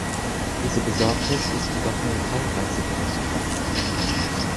Diese Besorgnis ist jedoch nur teilweise gerechtfertigt.